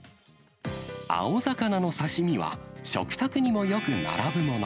青魚の刺身は、食卓にもよく並ぶもの。